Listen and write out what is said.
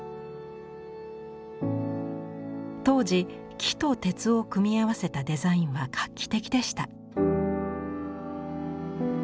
当時木と鉄を組み合わせたデザインは画期的でした。